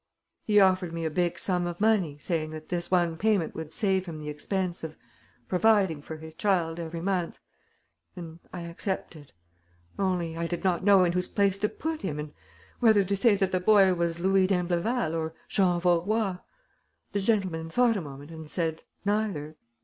He offered me a big sum of money, saying that this one payment would save him the expense of providing for his child every month; and I accepted. Only, I did not know in whose place to put him and whether to say that the boy was Louis d'Imbleval or Jean Vaurois. The gentleman thought a moment and said neither.